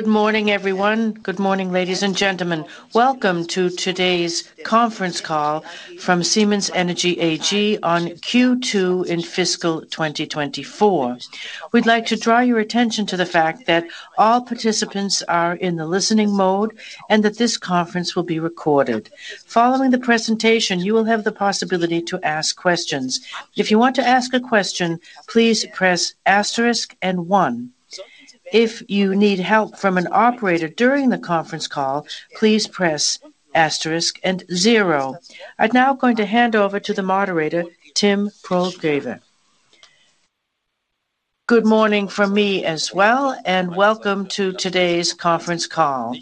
Good morning, everyone. Good morning, ladies and gentlemen. Welcome to today's conference call from Siemens Energy AG on Q2 in fiscal 2024. We'd like to draw your attention to the fact that all participants are in the listening mode and that this conference will be recorded. Following the presentation, you will have the possibility to ask questions. If you want to ask a question, please press asterisk and one. If you need help from an operator during the conference call, please press asterisk and zero. I'm now going to hand over to the moderator, Tim Pröger. Good morning from me as well, and welcome to today's conference call.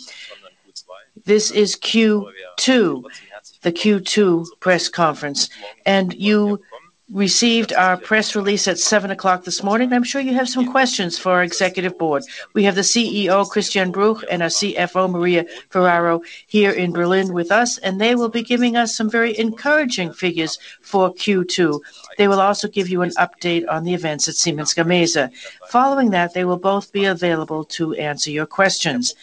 This is Q2, the Q2 press conference, and you received our press release at 7:00 A.M. this morning. I'm sure you have some questions for our executive board. We have the CEO, Christian Bruch, and our CFO, Maria Ferraro, here in Berlin with us, and they will be giving us some very encouraging figures for Q2. They will also give you an update on the events at Siemens Gamesa. Following that, they will both be available to answer your questions.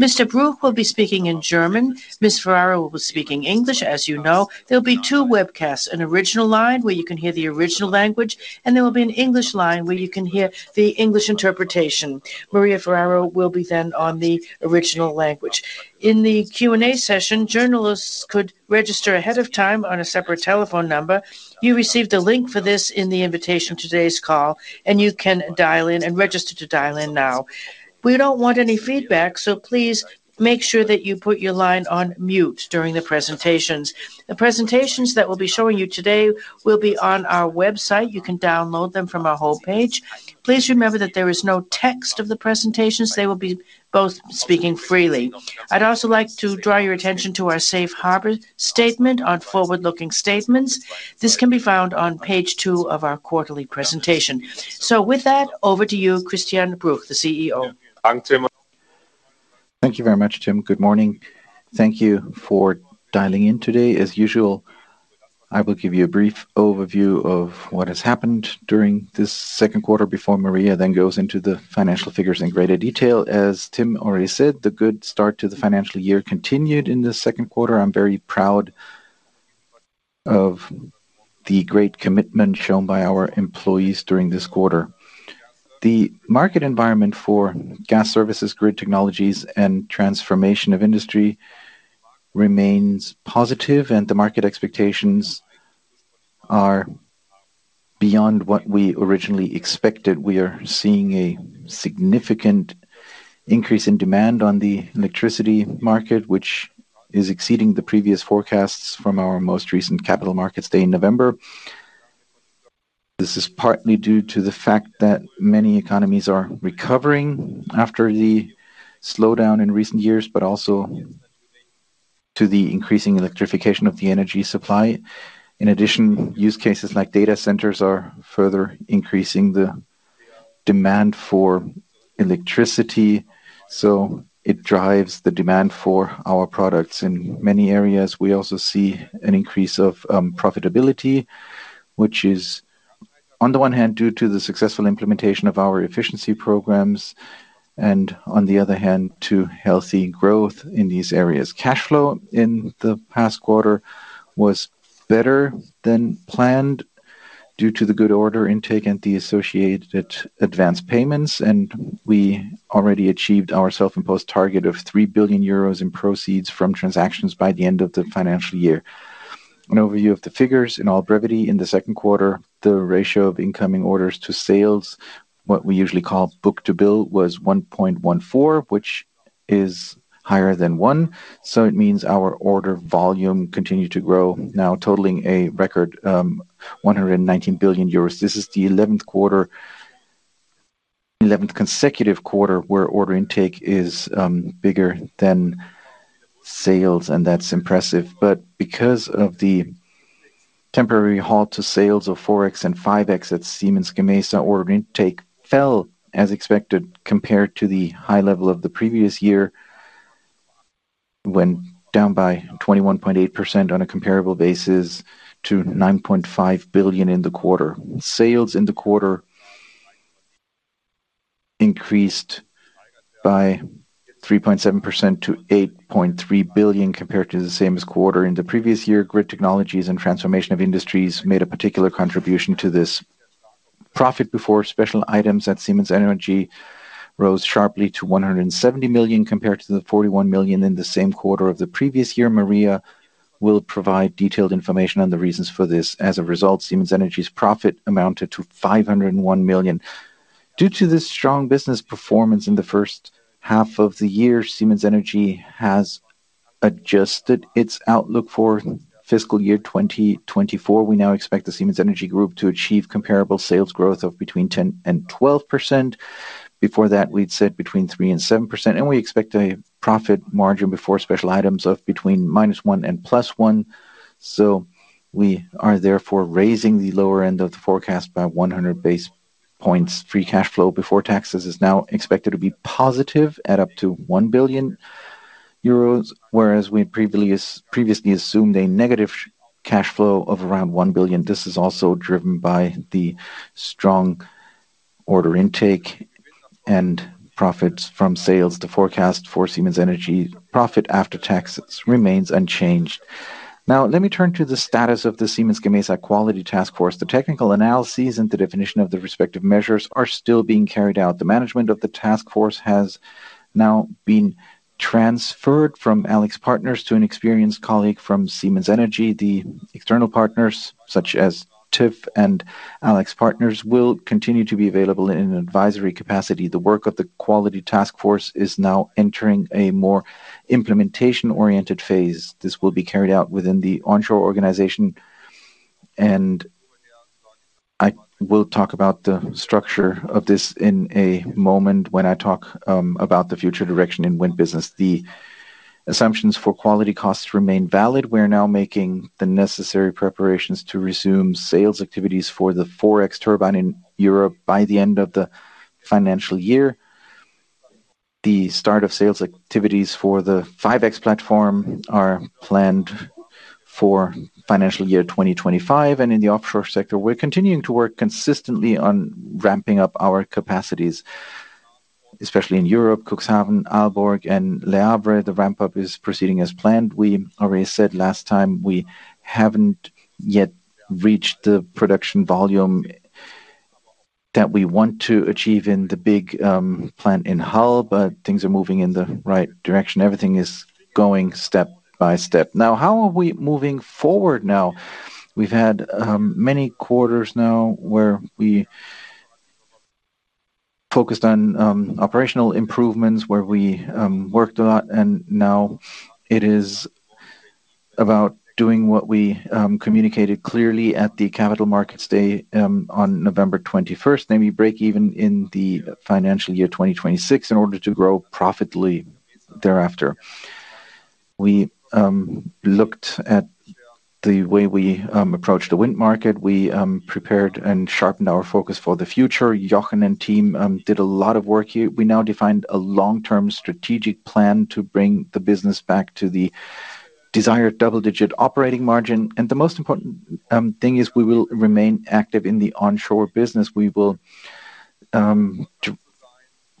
Mr. Bruch will be speaking in German. Ms. Ferraro will be speaking English, as you know. There'll be two webcasts, an original line, where you can hear the original language, and there will be an English line, where you can hear the English interpretation. Maria Ferraro will be then on the original language. In the Q&A session, journalists could register ahead of time on a separate telephone number. You received a link for this in the invitation of today's call, and you can dial in and register to dial in now. We don't want any feedback, so please make sure that you put your line on mute during the presentations. The presentations that we'll be showing you today will be on our website. You can download them from our home page. Please remember that there is no text of the presentations. They will be both speaking freely. I'd also like to draw your attention to our safe harbor statement on forward-looking statements. This can be found on page two of our quarterly presentation. So with that, over to you, Christian Bruch, the CEO. Thank you very much, Tim. Good morning. Thank you for dialing in today. As usual, I will give you a brief overview of what has happened during this second quarter before Maria then goes into the financial figures in greater detail. As Tim already said, the good start to the financial year continued in the second quarter. I'm very proud of the great commitment shown by our employees during this quarter. The market environment for gas services, grid technologies, and transformation of industry remains positive, and the market expectations are beyond what we originally expected. We are seeing a significant increase in demand on the electricity market, which is exceeding the previous forecasts from our most recent Capital Markets Day in November. This is partly due to the fact that many economies are recovering after the slowdown in recent years, but also to the increasing electrification of the energy supply. In addition, use cases like data centers are further increasing the demand for electricity, so it drives the demand for our products. In many areas, we also see an increase of profitability, which is, on the one hand, due to the successful implementation of our efficiency programs and, on the other hand, to healthy growth in these areas. Cash flow in the past quarter was better than planned due to the good order intake and the associated advanced payments, and we already achieved our self-imposed target of 3 billion euros in proceeds from transactions by the end of the financial year. An overview of the figures in all brevity. In the second quarter, the ratio of incoming orders to sales, what we usually call book to bill, was 1.14, which is higher than 1. So it means our order volume continued to grow, now totaling a record 119 billion euros. This is the eleventh consecutive quarter where order intake is bigger than sales, and that's impressive. But because of the temporary halt to sales of 4.X and 5.X at Siemens Gamesa, order intake fell as expected, compared to the high level of the previous year, went down by 21.8% on a comparable basis to 9.5 billion in the quarter. Sales in the quarter increased by 3.7% to 8.3 billion compared to the same quarter in the previous year. Grid technologies and transformation of industries made a particular contribution to this. Profit before special items at Siemens Energy rose sharply to 170 million, compared to the 41 million in the same quarter of the previous year. Maria will provide detailed information on the reasons for this. As a result, Siemens Energy's profit amounted to 501 million. Due to this strong business performance in the first half of the year, Siemens Energy has adjusted its outlook for fiscal year 2024. We now expect the Siemens Energy Group to achieve comparable sales growth of between 10% and 12%. Before that, we'd said between 3% and 7%, and we expect a profit margin before special items of between -1% and +1%. So we are therefore raising the lower end of the forecast by 100 basis points. Free cash flow before taxes is now expected to be positive at up to 1 billion euros.... EUR, whereas we previously, previously assumed a negative cash flow of around 1 billion. This is also driven by the strong order intake and profits from sales. The forecast for Siemens Energy profit after taxes remains unchanged. Now, let me turn to the status of the Siemens Gamesa Quality Task Force. The technical analyses and the definition of the respective measures are still being carried out. The management of the task force has now been transferred from AlixPartners to an experienced colleague from Siemens Energy. The external partners, such as TÜV and AlixPartners, will continue to be available in an advisory capacity. The work of the quality task force is now entering a more implementation-oriented phase. This will be carried out within the onshore organization, and I will talk about the structure of this in a moment when I talk about the future direction in wind business. The assumptions for quality costs remain valid. We're now making the necessary preparations to resume sales activities for the 4.X turbine in Europe by the end of the financial year. The start of sales activities for the 5.X platform are planned for financial year 2025, and in the offshore sector, we're continuing to work consistently on ramping up our capacities, especially in Europe, Cuxhaven, Aalborg, and Le Havre. The ramp-up is proceeding as planned. We already said last time we haven't yet reached the production volume that we want to achieve in the big plant in Hull, but things are moving in the right direction. Everything is going step by step. Now, how are we moving forward now? We've had many quarters now where we focused on operational improvements, where we worked a lot, and now it is about doing what we communicated clearly at the Capital Markets Day on November 21st. Namely, break even in the financial year 2026 in order to grow profitably thereafter. We looked at the way we approached the wind market. We prepared and sharpened our focus for the future. Jochen and team did a lot of work here. We now defined a long-term strategic plan to bring the business back to the desired double-digit operating margin. The most important thing is we will remain active in the onshore business. We will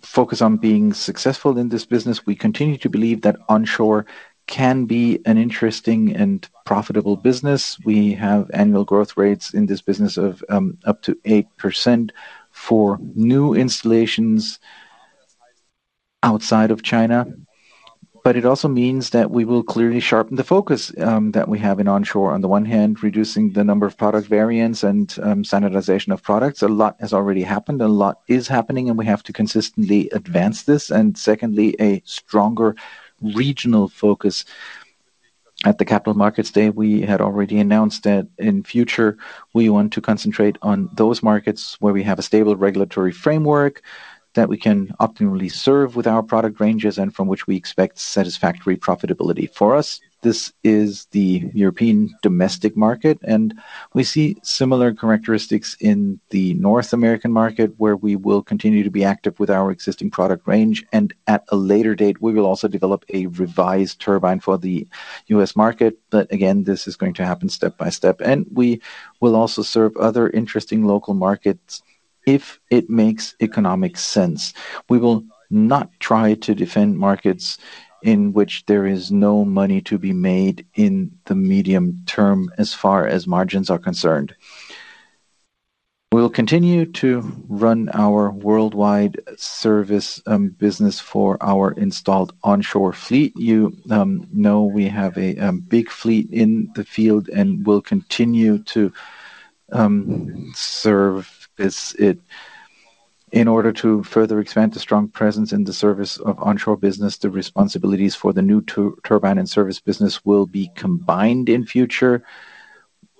focus on being successful in this business. We continue to believe that onshore can be an interesting and profitable business. We have annual growth rates in this business of, up to 8% for new installations outside of China. But it also means that we will clearly sharpen the focus, that we have in onshore. On the one hand, reducing the number of product variants and standardization of products. A lot has already happened, a lot is happening, and we have to consistently advance this, and secondly, a stronger regional focus. At the Capital Markets Day, we had already announced that in future, we want to concentrate on those markets where we have a stable regulatory framework, that we can optimally serve with our product ranges, and from which we expect satisfactory profitability. For us, this is the European domestic market, and we see similar characteristics in the North American market, where we will continue to be active with our existing product range, and at a later date, we will also develop a revised turbine for the U.S. market. But again, this is going to happen step by step. And we will also serve other interesting local markets if it makes economic sense. We will not try to defend markets in which there is no money to be made in the medium term as far as margins are concerned. We'll continue to run our worldwide service business for our installed onshore fleet. You know we have a big fleet in the field and will continue to service it. In order to further expand the strong presence in the service of onshore business, the responsibilities for the new turbine and service business will be combined in future.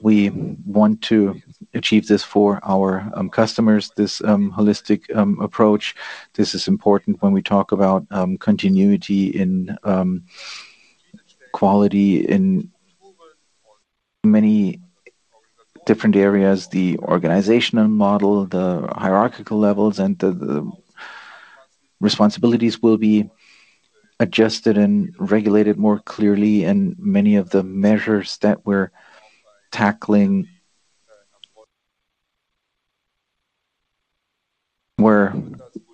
We want to achieve this for our customers, this holistic approach. This is important when we talk about continuity in quality in many different areas. The organizational model, the hierarchical levels, and the responsibilities will be adjusted and regulated more clearly, and many of the measures that we're tackling were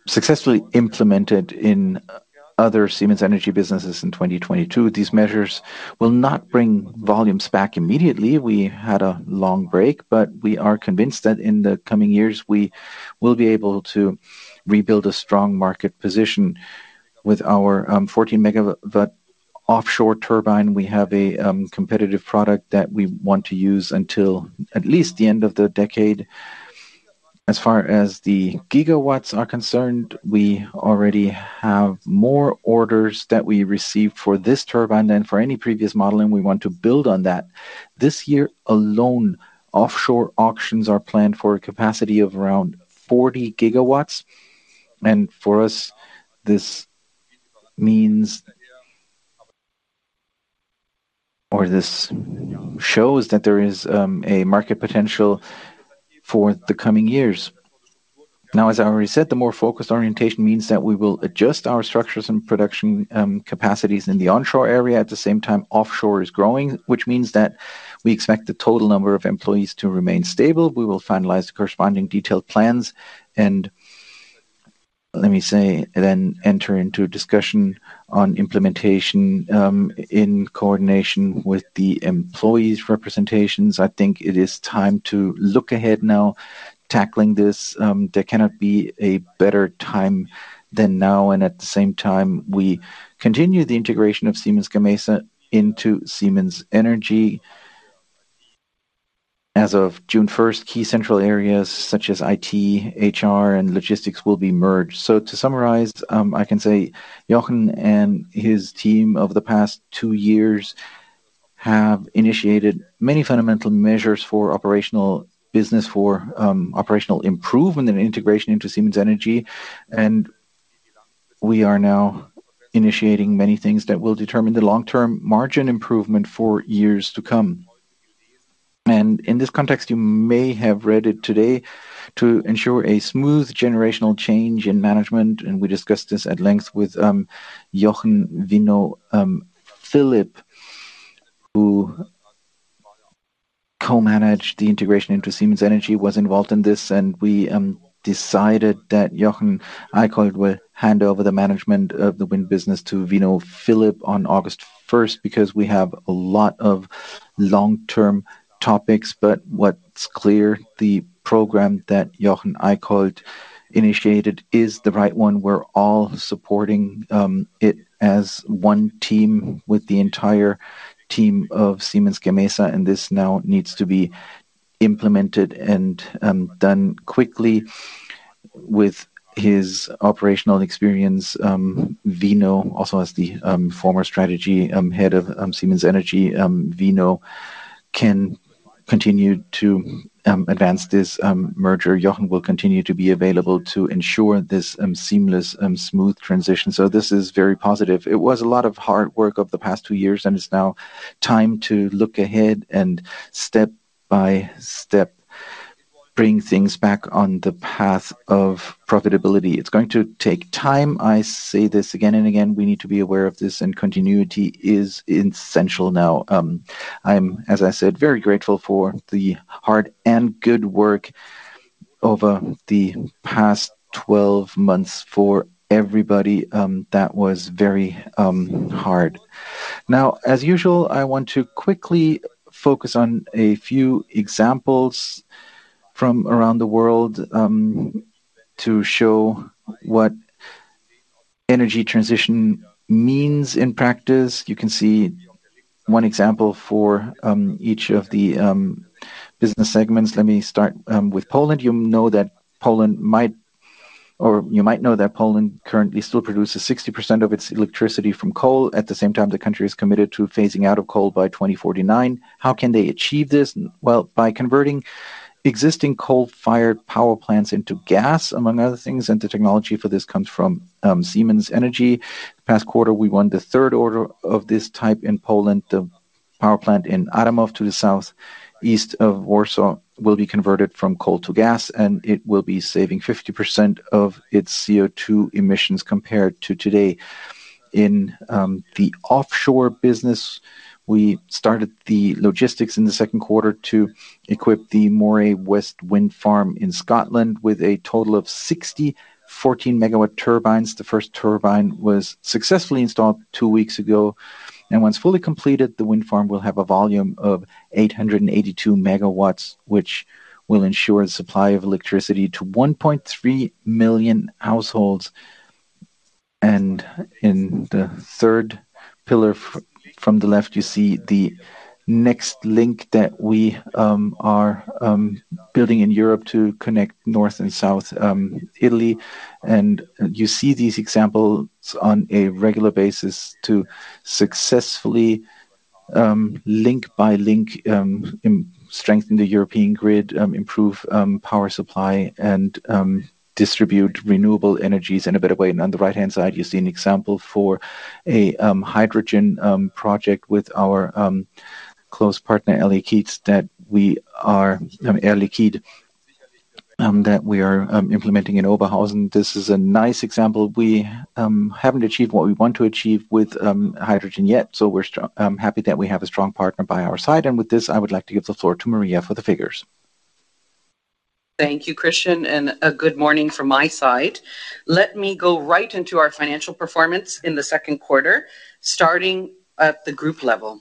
successfully implemented in other Siemens Energy businesses in 2022. These measures will not bring volumes back immediately. We had a long break, but we are convinced that in the coming years, we will be able to rebuild a strong market position. With our 14-megawatt offshore turbine, we have a competitive product that we want to use until at least the end of the decade. As far as the gigawatts are concerned, we already have more orders that we received for this turbine than for any previous model, and we want to build on that. This year alone, offshore auctions are planned for a capacity of around 40 gigawatts, and for us, or this shows that there is a market potential for the coming years. Now, as I already said, the more focused orientation means that we will adjust our structures and production capacities in the onshore area. At the same time, offshore is growing, which means that we expect the total number of employees to remain stable. We will finalize the corresponding detailed plans and, let me say, then enter into a discussion on implementation, in coordination with the employees' representations. I think it is time to look ahead now, tackling this. There cannot be a better time than now, and at the same time, we continue the integration of Siemens Gamesa into Siemens Energy. As of June 1st, key central areas such as IT, HR, and logistics will be merged. So to summarize, I can say Jochen and his team over the past two years have initiated many fundamental measures for operational business, for, operational improvement and integration into Siemens Energy. And we are now initiating many things that will determine the long-term margin improvement for years to come. In this context, you may have read it today, to ensure a smooth generational change in management, and we discussed this at length with Jochen, Vinod Philip, who co-managed the integration into Siemens Energy, was involved in this. We decided that Jochen Eickholt will hand over the management of the wind business to Vinod Philip on August 1st, because we have a lot of long-term topics. But what's clear, the program that Jochen Eickholt initiated is the right one. We're all supporting it as one team with the entire team of Siemens Gamesa, and this now needs to be implemented and done quickly. With his operational experience, Vinod, also as the former strategy head of Siemens Energy, Vinod can continue to advance this merger. Jochen will continue to be available to ensure this, seamless, smooth transition. So this is very positive. It was a lot of hard work over the past 2 years, and it's now time to look ahead and step by step, bring things back on the path of profitability. It's going to take time. I say this again and again, we need to be aware of this, and continuity is essential now. I'm, as I said, very grateful for the hard and good work over the past 12 months. For everybody, that was very, hard. Now, as usual, I want to quickly focus on a few examples from around the world, to show what energy transition means in practice. You can see one example for, each of the, business segments. Let me start, with Poland. You know that Poland might-- or you might know that Poland currently still produces 60% of its electricity from coal. At the same time, the country is committed to phasing out of coal by 2049. How can they achieve this? Well, by converting existing coal-fired power plants into gas, among other things, and the technology for this comes from Siemens Energy. Past quarter, we won the third order of this type in Poland. The power plant in Adamów, to the southeast of Warsaw, will be converted from coal to gas, and it will be saving 50% of its CO2 emissions compared to today. In the offshore business, we started the logistics in the second quarter to equip the Moray West Wind Farm in Scotland with a total of sixty-four 14-megawatt turbines. The first turbine was successfully installed two weeks ago, and once fully completed, the wind farm will have a volume of 882 MW, which will ensure the supply of electricity to 1.3 million households. In the third pillar from the left, you see the next link that we are building in Europe to connect north and south Italy. You see these examples on a regular basis to successfully link by link strengthen the European grid, improve power supply, and distribute renewable energies in a better way. On the right-hand side, you see an example for a hydrogen project with our close partner, Air Liquide, that we are implementing in Oberhausen. This is a nice example. We haven't achieved what we want to achieve with hydrogen yet, so we're happy that we have a strong partner by our side. With this, I would like to give the floor to Maria for the figures. Thank you, Christian, and a good morning from my side. Let me go right into our financial performance in the second quarter, starting at the group level.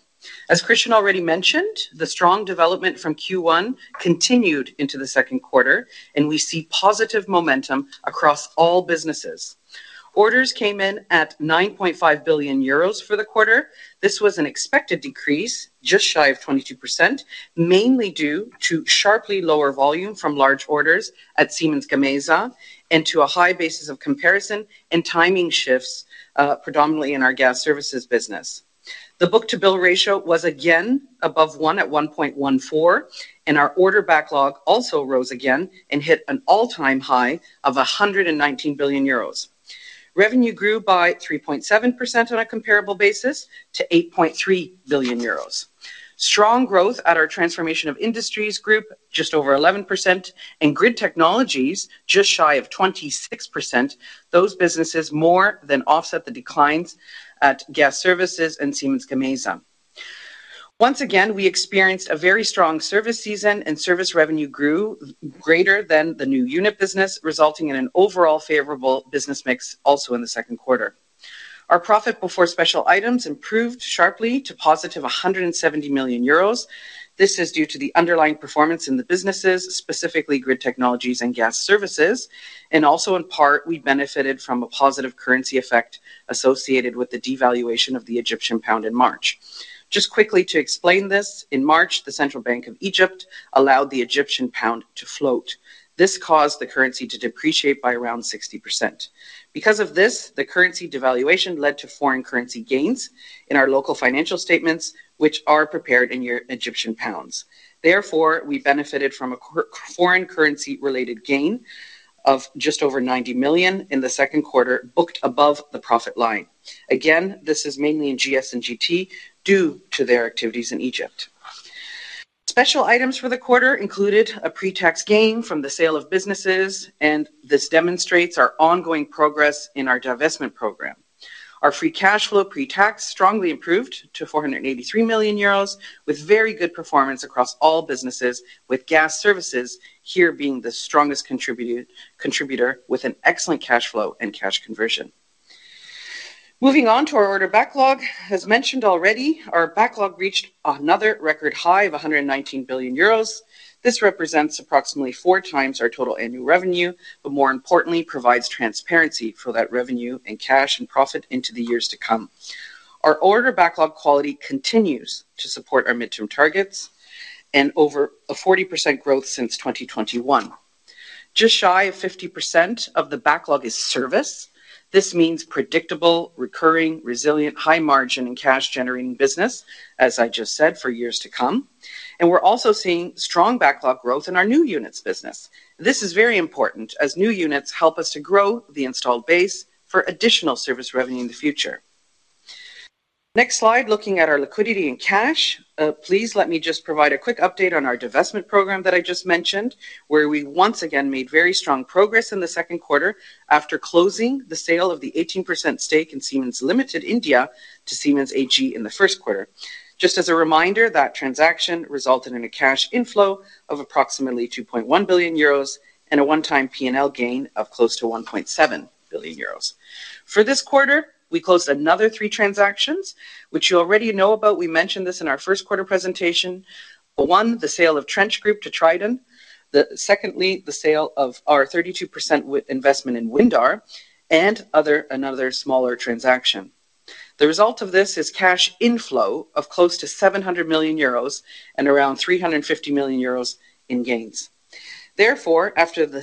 As Christian already mentioned, the strong development from Q1 continued into the second quarter, and we see positive momentum across all businesses. Orders came in at 9.5 billion euros for the quarter. This was an expected decrease, just shy of 22%, mainly due to sharply lower volume from large orders at Siemens Gamesa and to a high basis of comparison and timing shifts, predominantly in our gas services business. The book-to-bill ratio was again above 1 at 1.14, and our order backlog also rose again and hit an all-time high of 119 billion euros. Revenue grew by 3.7% on a comparable basis to 8.3 billion euros. Strong growth at our Transformation of Industries group, just over 11%, and Grid Technologies, just shy of 26%. Those businesses more than offset the declines at Gas Services and Siemens Gamesa. Once again, we experienced a very strong service season, and service revenue grew greater than the new unit business, resulting in an overall favorable business mix also in the second quarter. Our profit before special items improved sharply to positive 170 million euros. This is due to the underlying performance in the businesses, specifically Grid Technologies and Gas Services, and also in part, we benefited from a positive currency effect associated with the devaluation of the Egyptian pound in March. Just quickly to explain this, in March, the Central Bank of Egypt allowed the Egyptian pound to float. This caused the currency to depreciate by around 60%. Because of this, the currency devaluation led to foreign currency gains in our local financial statements, which are prepared in Egyptian pounds. Therefore, we benefited from a foreign currency-related gain of just over 90 million in the second quarter, booked above the profit line. Again, this is mainly in GS and GT due to their activities in Egypt. Special items for the quarter included a pre-tax gain from the sale of businesses, and this demonstrates our ongoing progress in our divestment program. Our free cash flow pre-tax strongly improved to 483 million euros, with very good performance across all businesses, with gas services here being the strongest contributor, with an excellent cash flow and cash conversion. Moving on to our order backlog. As mentioned already, our backlog reached another record high of 119 billion euros. This represents approximately 4 times our total annual revenue, but more importantly, provides transparency for that revenue and cash and profit into the years to come. Our order backlog quality continues to support our midterm targets and over a 40% growth since 2021. Just shy of 50% of the backlog is service. This means predictable, recurring, resilient, high margin, and cash-generating business, as I just said, for years to come, and we're also seeing strong backlog growth in our new units business. This is very important as new units help us to grow the installed base for additional service revenue in the future. Next slide, looking at our liquidity and cash. Please let me just provide a quick update on our divestment program that I just mentioned, where we once again made very strong progress in the second quarter after closing the sale of the 18% stake in Siemens Limited India to Siemens AG in the first quarter. Just as a reminder, that transaction resulted in a cash inflow of approximately 2.1 billion euros and a one-time P&L gain of close to 1.7 billion euros. For this quarter, we closed another three transactions, which you already know about. We mentioned this in our first quarter presentation. One, the sale of Trench Group to Triton. Secondly, the sale of our 32% investment in Windar and another smaller transaction. The result of this is cash inflow of close to 700 million euros and around 350 million euros in gains. Therefore, after the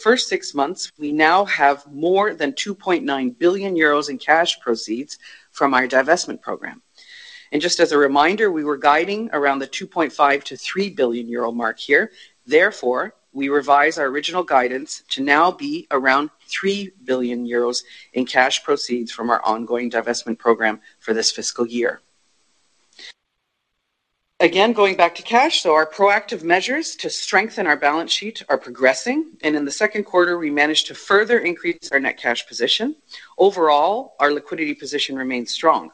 first six months, we now have more than 2.9 billion euros in cash proceeds from our divestment program. Just as a reminder, we were guiding around the 2.5 billion-3 billion euro mark here. Therefore, we revise our original guidance to now be around 3 billion euros in cash proceeds from our ongoing divestment program for this fiscal year. Again, going back to cash, our proactive measures to strengthen our balance sheet are progressing, and in the second quarter, we managed to further increase our net cash position. Overall, our liquidity position remains strong.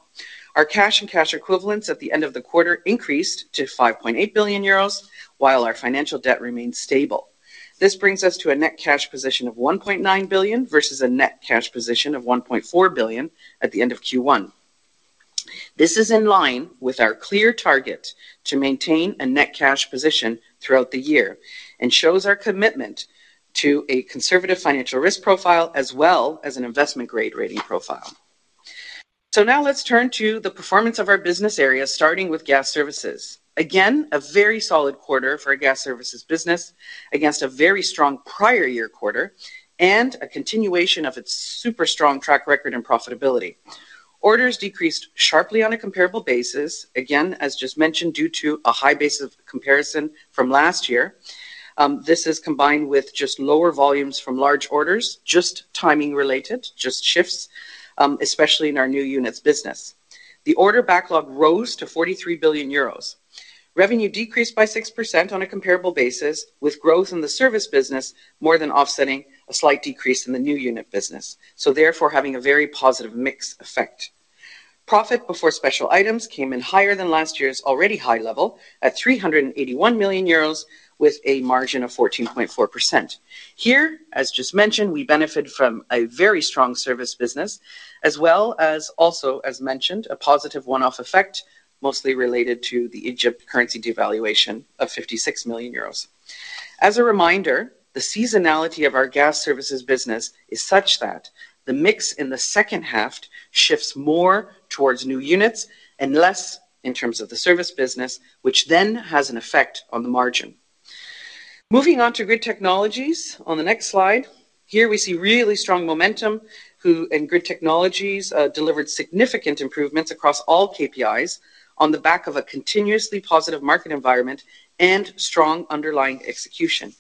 Our cash and cash equivalents at the end of the quarter increased to 5.8 billion euros, while our financial debt remains stable. This brings us to a net cash position of 1.9 billion versus a net cash position of 1.4 billion at the end of Q1. This is in line with our clear target to maintain a net cash position throughout the year and shows our commitment to a conservative financial risk profile, as well as an investment-grade rating profile. So now let's turn to the performance of our business areas, starting with gas services. Again, a very solid quarter for our gas services business against a very strong prior year quarter and a continuation of its super strong track record and profitability. Orders decreased sharply on a comparable basis, again, as just mentioned, due to a high base of comparison from last year. This is combined with just lower volumes from large orders, just timing related, just shifts, especially in our new units business. The order backlog rose to 43 billion euros. Revenue decreased by 6% on a comparable basis, with growth in the service business more than offsetting a slight decrease in the new unit business, so therefore, having a very positive mix effect. Profit before special items came in higher than last year's already high level at 381 million euros, with a margin of 14.4%. Here, as just mentioned, we benefit from a very strong service business, as well as also, as mentioned, a positive one-off effect, mostly related to the Egypt currency devaluation of 56 million euros. As a reminder, the seasonality of our gas services business is such that the mix in the second half shifts more towards new units and less in terms of the service business, which then has an effect on the margin. Moving on to Grid Technologies on the next slide. Here we see really strong momentum in Grid Technologies, delivered significant improvements across all KPIs on the back of a continuously positive market environment and strong underlying execution.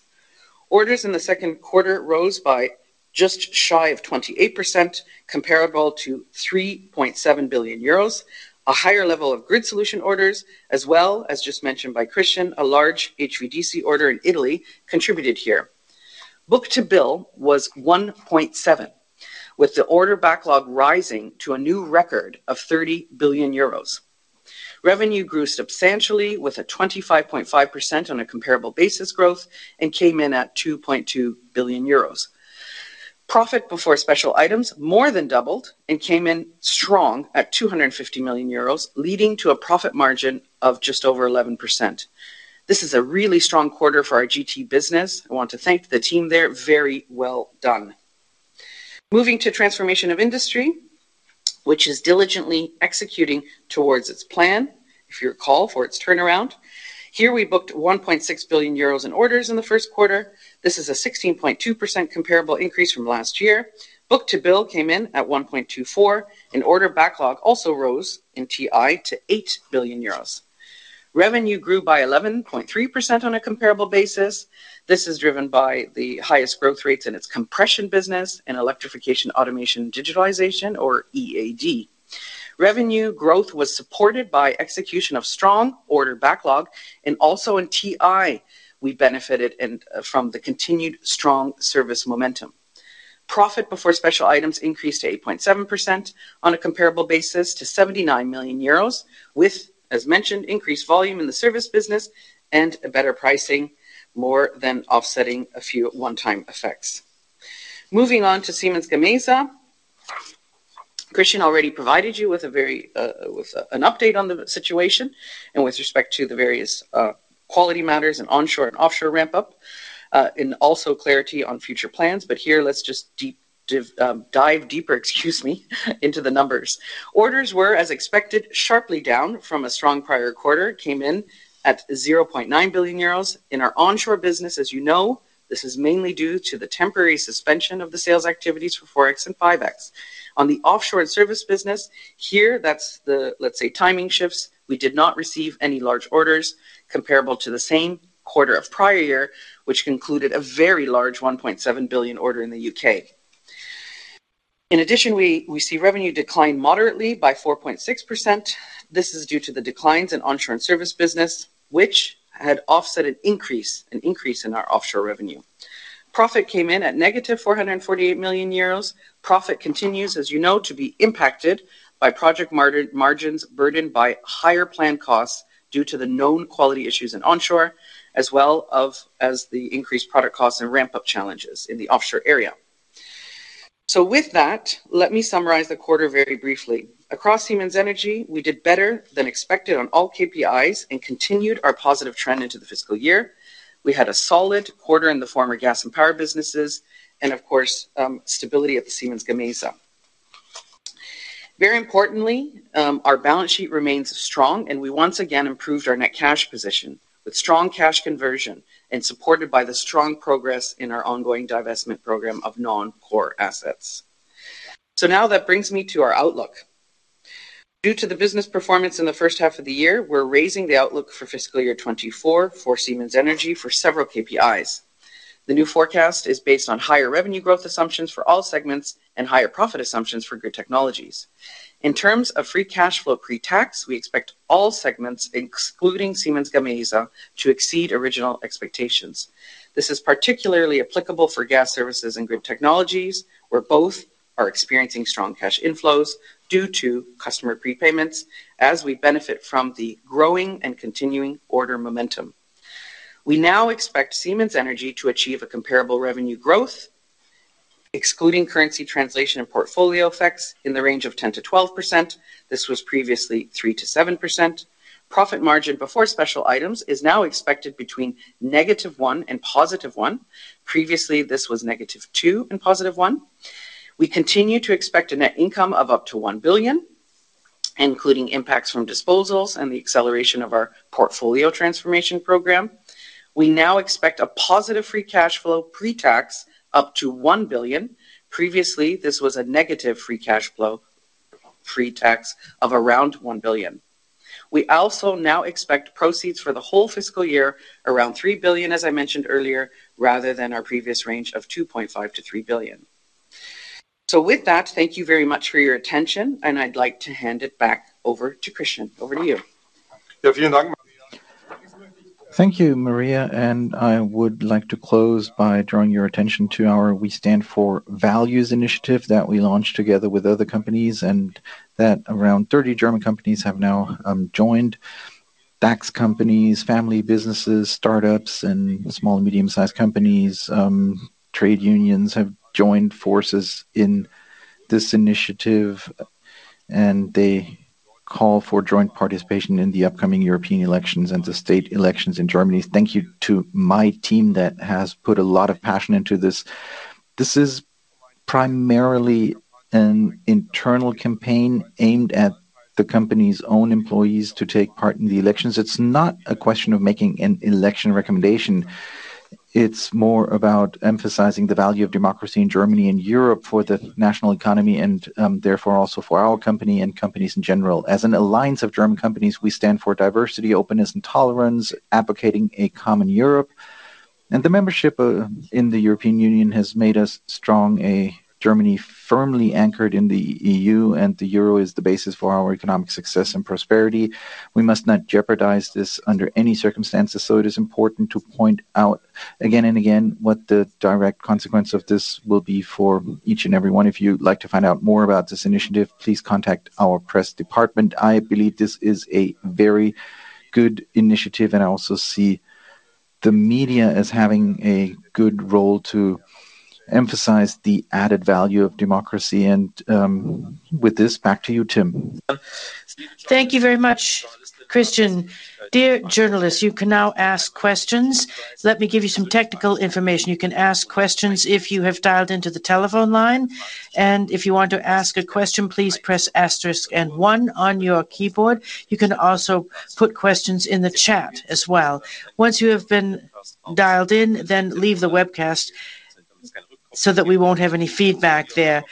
Orders in the second quarter rose by just shy of 28%, comparable to 3.7 billion euros, a higher level of grid solution orders, as well as just mentioned by Christian, a large HVDC order in Italy contributed here. Book-to-bill was 1.7, with the order backlog rising to a new record of 30 billion euros. Revenue grew substantially, with a 25.5% on a comparable basis growth, and came in at 2.2 billion euros. Profit before special items more than doubled and came in strong at 250 million euros, leading to a profit margin of just over 11%. This is a really strong quarter for our GT business. I want to thank the team there. Very well done. Moving to transformation of industry, which is diligently executing towards its plan for your call for its turnaround. Here, we booked 1.6 billion euros in orders in the first quarter. This is a 16.2% comparable increase from last year. Book-to-bill came in at 1.24, and order backlog also rose in TI to 8 billion euros. Revenue grew by 11.3% on a comparable basis. This is driven by the highest growth rates in its compression business and electrification, automation, and digitalization, or EAD. Revenue growth was supported by execution of strong order backlog, and also in TI, we benefited from the continued strong service momentum. Profit before special items increased to 8.7% on a comparable basis to 79 million euros, with, as mentioned, increased volume in the service business and a better pricing, more than offsetting a few one-time effects. Moving on to Siemens Gamesa. Christian already provided you with a very, with, an update on the situation and with respect to the various, quality matters and onshore and offshore ramp-up, and also clarity on future plans. But here, let's just dive deeper, excuse me, into the numbers. Orders were, as expected, sharply down from a strong prior quarter, came in at 0.9 billion euros. In our onshore business, as you know, this is mainly due to the temporary suspension of the sales activities for 4.X and 5.X. On the offshore and service business, here, that's the, let's say, timing shifts. We did not receive any large orders comparable to the same quarter of prior year, which concluded a very large 1.7 billion order in the UK. In addition, we see revenue decline moderately by 4.6%. This is due to the declines in onshore and service business, which had offset an increase in our offshore revenue. Profit came in at -448 million euros. Profit continues, as you know, to be impacted by project margins burdened by higher planned costs due to the known quality issues in onshore, as well as the increased product costs and ramp-up challenges in the offshore area. So with that, let me summarize the quarter very briefly. Across Siemens Energy, we did better than expected on all KPIs and continued our positive trend into the fiscal year. We had a solid quarter in the former gas and power businesses and, of course, stability at the Siemens Gamesa. Very importantly, our balance sheet remains strong, and we once again improved our net cash position with strong cash conversion and supported by the strong progress in our ongoing divestment program of non-core assets. So now that brings me to our outlook. Due to the business performance in the first half of the year, we're raising the outlook for fiscal year 2024 for Siemens Energy for several KPIs. The new forecast is based on higher revenue growth assumptions for all segments and higher profit assumptions for Grid Technologies. In terms of free cash flow pre-tax, we expect all segments, excluding Siemens Gamesa, to exceed original expectations. This is particularly applicable for Gas Services and Grid Technologies, where both are experiencing strong cash inflows due to customer prepayments as we benefit from the growing and continuing order momentum. We now expect Siemens Energy to achieve a comparable revenue growth, excluding currency translation and portfolio effects, in the range of 10%-12%. This was previously 3%-7%. Profit margin before special items is now expected between -1% and +1%. Previously, this was -2% and +1%. We continue to expect a net income of up to 1 billion, including impacts from disposals and the acceleration of our portfolio transformation program. We now expect a positive free cash flow pre-tax up to 1 billion. Previously, this was a negative free cash flow pre-tax of around 1 billion. We also now expect proceeds for the whole fiscal year around 3 billion, as I mentioned earlier, rather than our previous range of 2.5 billion-3 billion. So with that, thank you very much for your attention, and I'd like to hand it back over to Christian. Over to you. Thank you, Maria, and I would like to close by drawing your attention to our We Stand for Values initiative that we launched together with other companies, and that around thirty German companies have now joined. DAX companies, family businesses, startups, and small and medium-sized companies, trade unions have joined forces in this initiative, and they call for joint participation in the upcoming European elections and the state elections in Germany. Thank you to my team that has put a lot of passion into this. This is primarily an internal campaign aimed at the company's own employees to take part in the elections. It's not a question of making an election recommendation. It's more about emphasizing the value of democracy in Germany and Europe for the national economy and, therefore, also for our company and companies in general. As an alliance of German companies, we stand for diversity, openness, and tolerance, advocating a common Europe. And the membership in the European Union has made us strong. A Germany firmly anchored in the EU, and the euro is the basis for our economic success and prosperity. We must not jeopardize this under any circumstances, so it is important to point out again and again what the direct consequence of this will be for each and every one. If you'd like to find out more about this initiative, please contact our press department. I believe this is a very good initiative, and I also see the media as having a good role to emphasize the added value of democracy, and with this, back to you, Tim. Thank you very much, Christian. Dear journalists, you can now ask questions. Let me give you some technical information. You can ask questions if you have dialed into the telephone line, and if you want to ask a question, please press asterisk and one on your keyboard. You can also put questions in the chat as well. Once you have been dialed in, then leave the webcast so that we won't have any feedback there.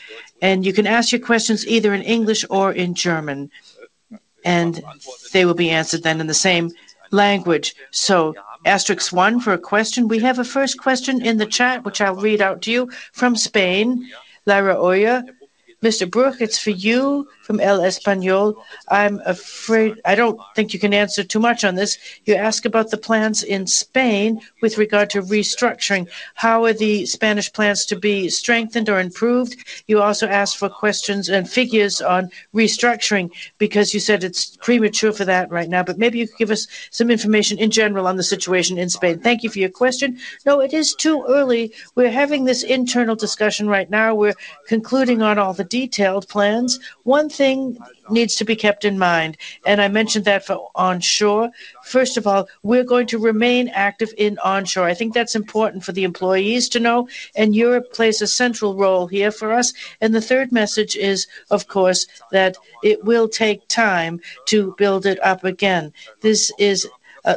And you can ask your questions either in English or in German, and they will be answered then in the same language. So asterisk one for a question. We have a first question in the chat, which I'll read out to you from Spain, Lara Olmo. Mr. Bruch, it's for you from El Español. I'm afraid... I don't think you can answer too much on this. You ask about the plans in Spain with regard to restructuring. How are the Spanish plans to be strengthened or improved? You also asked for questions and figures on restructuring because you said it's premature for that right now, but maybe you could give us some information in general on the situation in Spain. Thank you for your question. No, it is too early. We're having this internal discussion right now. We're concluding on all the detailed plans. One thing needs to be kept in mind, and I mentioned that for onshore. First of all, we're going to remain active in onshore. I think that's important for the employees to know, and Europe plays a central role here for us. The third message is, of course, that it will take time to build it up again. This is,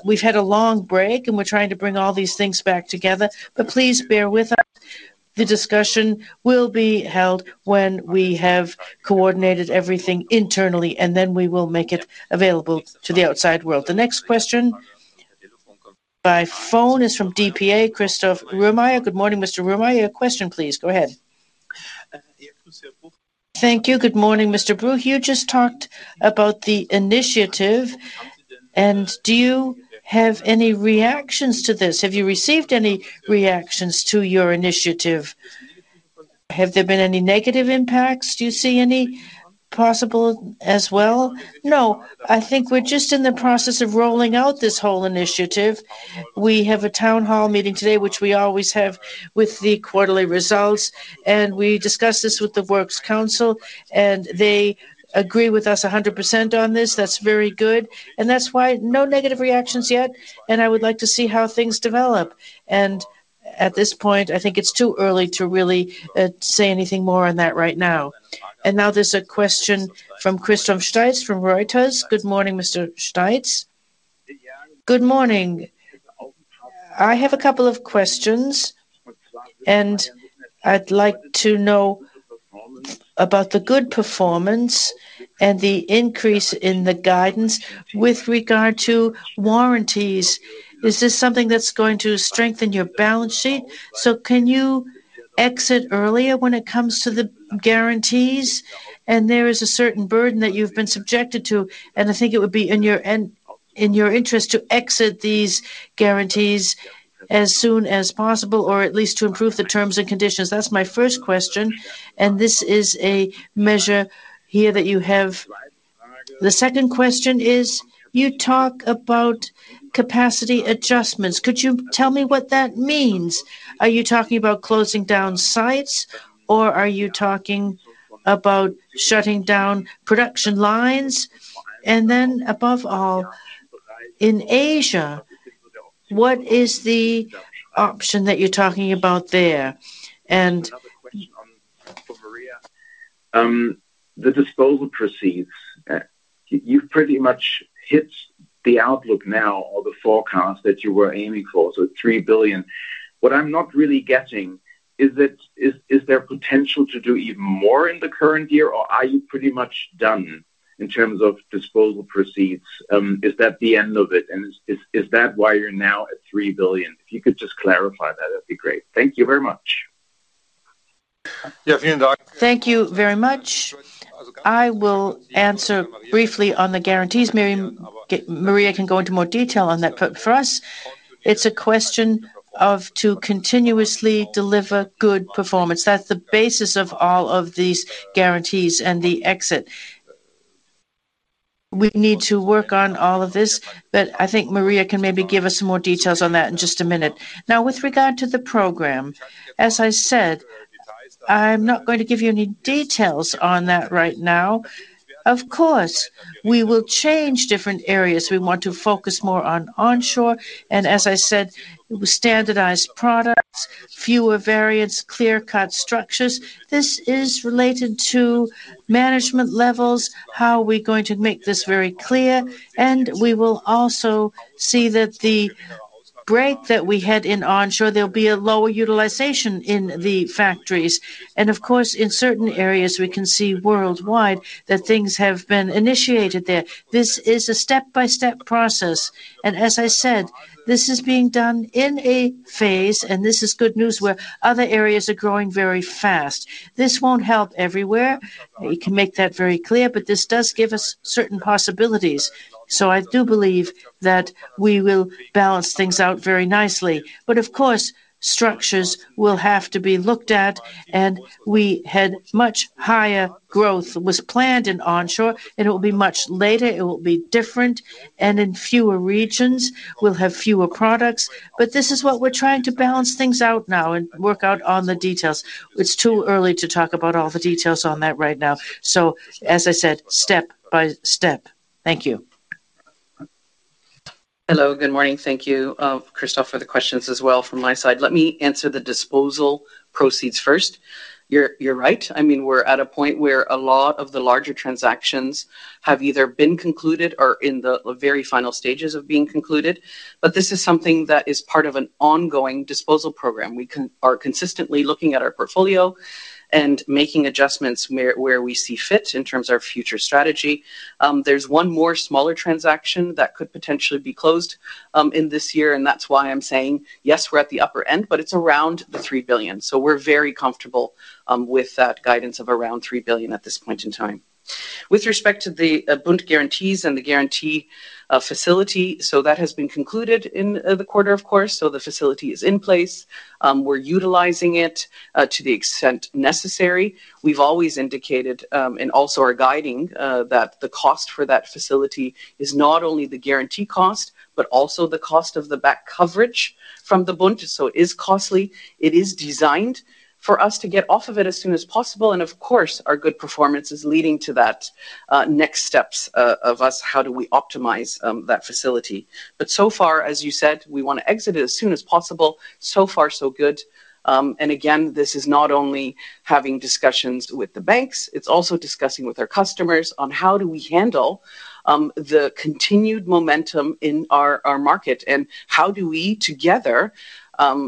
we've had a long break, and we're trying to bring all these things back together, but please bear with us. The discussion will be held when we have coordinated everything internally, and then we will make it available to the outside world. The next question by phone is from DPA, Christoph Rummeyer. Good morning, Mr. Rummeyer. Your question, please, go ahead. Thank you. Good morning, Mr. Bruch. You just talked about the initiative, and do you have any reactions to this? Have you received any reactions to your initiative? Have there been any negative impacts? Do you see any possible as well? No, I think we're just in the process of rolling out this whole initiative. We have a town hall meeting today, which we always have with the quarterly results, and we discussed this with the works council, and they agree with us 100% on this. That's very good, and that's why no negative reactions yet, and I would like to see how things develop. And at this point, I think it's too early to really say anything more on that right now. And now there's a question from Christoph Steitz from Reuters. Good morning, Mr. Steitz. Good morning. I have a couple of questions, and I'd like to know about the good performance and the increase in the guidance with regard to warranties. Is this something that's going to strengthen your balance sheet? So can you exit earlier when it comes to the guarantees, and there is a certain burden that you've been subjected to, and I think it would be in your and, in your interest to exit these guarantees as soon as possible or at least to improve the terms and conditions. That's my first question, and this is a measure here that you have. The second question is, you talk about capacity adjustments. Could you tell me what that means? Are you talking about closing down sites, or are you talking about shutting down production lines? And then, above all, in Asia, what is the option that you're talking about there? And- Another question on for Maria. The disposal proceeds, you've pretty much hit the outlook now or the forecast that you were aiming for, so 3 billion. What I'm not really getting is that, is there potential to do even more in the current year, or are you pretty much done in terms of disposal proceeds? Is that the end of it? And is that why you're now at 3 billion? If you could just clarify that, that'd be great. Thank you very much. Thank you very much. I will answer briefly on the guarantees. Maria can go into more detail on that, but for us, it's a question of to continuously deliver good performance. That's the basis of all of these guarantees and the exit. We need to work on all of this, but I think Maria can maybe give us some more details on that in just a minute. Now, with regard to the program, as I said, I'm not going to give you any details on that right now. Of course, we will change different areas. We want to focus more on onshore, and as I said, standardized products, fewer variants, clear-cut structures. This is related to management levels, how we're going to make this very clear, and we will also see that the break that we had in onshore, there'll be a lower utilization in the factories. Of course, in certain areas, we can see worldwide that things have been initiated there. This is a step-by-step process, and as I said, this is being done in a phase, and this is good news where other areas are growing very fast. This won't help everywhere, we can make that very clear, but this does give us certain possibilities. I do believe that we will balance things out very nicely. Of course, structures will have to be looked at, and we had much higher growth was planned in onshore, and it will be much later, it will be different, and in fewer regions, we'll have fewer products. This is what we're trying to balance things out now and work out on the details. It's too early to talk about all the details on that right now. As I said, step by step. Thank you. Hello, good morning. Thank you, Christoph, for the questions as well from my side. Let me answer the disposal proceeds first. You're, you're right. I mean, we're at a point where a lot of the larger transactions have either been concluded or in the, the very final stages of being concluded. But this is something that is part of an ongoing disposal program. We are consistently looking at our portfolio and making adjustments where, where we see fit in terms of our future strategy. There's one more smaller transaction that could potentially be closed in this year, and that's why I'm saying, yes, we're at the upper end, but it's around 3 billion. So we're very comfortable with that guidance of around 3 billion at this point in time. With respect to the Bund guarantees and the guarantee facility, so that has been concluded in the quarter, of course, so the facility is in place. We're utilizing it to the extent necessary. We've always indicated, and also are guiding, that the cost for that facility is not only the guarantee cost, but also the cost of the back coverage from the Bund. So it is costly. It is designed for us to get off of it as soon as possible, and of course, our good performance is leading to that next steps of us, how do we optimize that facility? But so far, as you said, we want to exit it as soon as possible. So far, so good. And again, this is not only having discussions with the banks, it's also discussing with our customers on how do we handle, the continued momentum in our, our market, and how do we, together,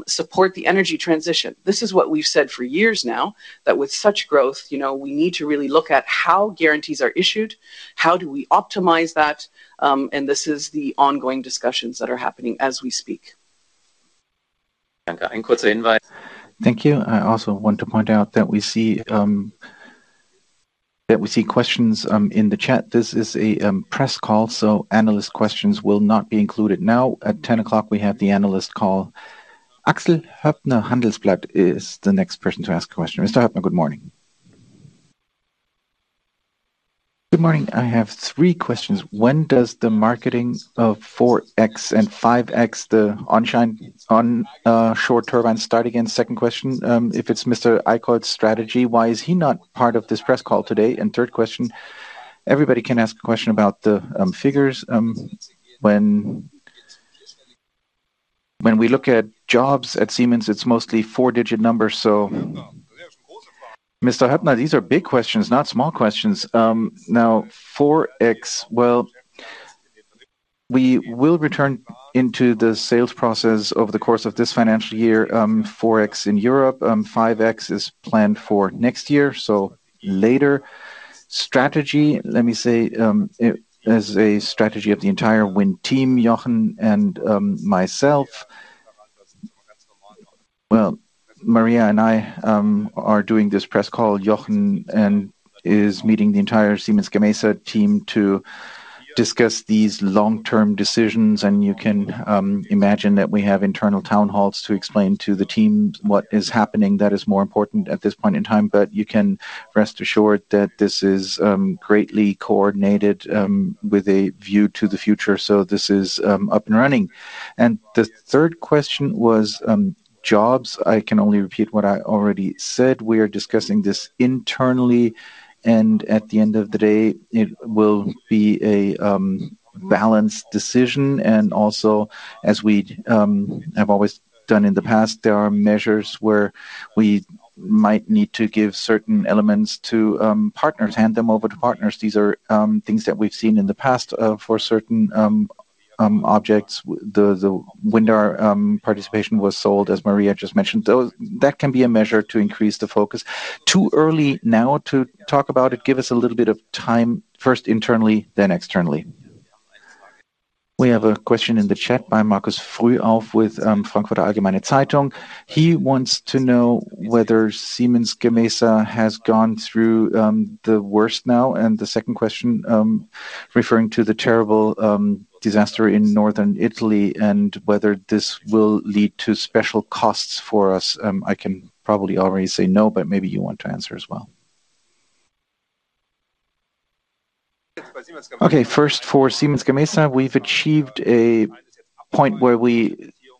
support the energy transition? This is what we've said for years now, that with such growth, you know, we need to really look at how guarantees are issued, how do we optimize that, and this is the ongoing discussions that are happening as we speak. Thank you. I also want to point out that we see, that we see questions, in the chat. This is a, press call, so analyst questions will not be included. Now, at ten o'clock, we have the analyst call. Axel Höpner, Handelsblatt, is the next person to ask a question. Mr. Höpner, good morning. Good morning. I have three questions. When does the marketing of 4.X and 5.X, the onshore and on, shore turbines start again? Second question, if it's Mr. Eickholt's strategy, why is he not part of this press call today? And third question, everybody can ask a question about the, figures. When, when we look at jobs at Siemens, it's mostly four-digit numbers, so- Mr. Höptner, these are big questions, not small questions. Now, 4.X, well, we will return into the sales process over the course of this financial year, 4.X in Europe, 5.X is planned for next year, so later. Strategy, let me say, it is a strategy of the entire wind team, Jochen and myself. Well, Maria and I are doing this press call. Jochen is meeting the entire Siemens Gamesa team to discuss these long-term decisions, and you can imagine that we have internal town halls to explain to the team what is happening that is more important at this point in time. But you can rest assured that this is greatly coordinated with a view to the future. So this is up and running. The third question was jobs. I can only repeat what I already said. We are discussing this internally, and at the end of the day, it will be a balanced decision. And also, as we have always done in the past, there are measures where we might need to give certain elements to partners, hand them over to partners. These are things that we've seen in the past, for certain objects. The Windar participation was sold, as Maria just mentioned. That can be a measure to increase the focus. Too early now to talk about it. Give us a little bit of time, first internally, then externally. We have a question in the chat by Markus Frühauf with Frankfurter Allgemeine Zeitung. He wants to know whether Siemens Gamesa has gone through the worst now, and the second question, referring to the terrible disaster in northern Italy, and whether this will lead to special costs for us. I can probably already say no, but maybe you want to answer as well. Okay, first, for Siemens Gamesa, we've achieved a point where we